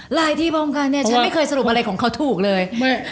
หลายที่พร้อมกันเนี่ยฉันไม่เคยสรุปอะไรของเขาถูกเลย